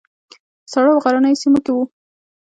په سړو او غرنیو سیمو کې وو.